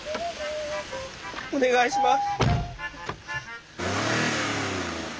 お願いします。